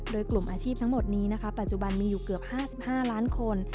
โดยกลุ่มอาชีพทั้งหมดนี้นะคะปัจจุบันมีอยู่เกือบ๕๕ล้านคน